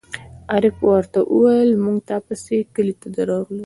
عارف ور ته وویل: مونږ تا پسې کلي ته درغلو.